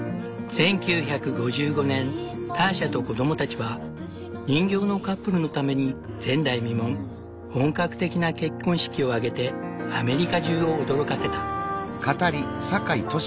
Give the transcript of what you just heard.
１９５５年ターシャと子供たちは人形のカップルのために前代未聞本格的な結婚式を挙げてアメリカ中を驚かせた。